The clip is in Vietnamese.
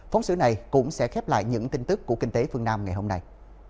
phóng sự này cũng sẽ khép lại những tin tức của kinh tế phương nam ngày hôm nay